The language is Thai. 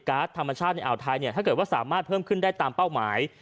ธรรมชาติในอ่าวไทยเนี่ยถ้าเกิดว่าสามารถเพิ่มขึ้นได้ตามเป้าหมาย